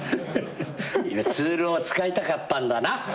今ツールを使いたかったんだな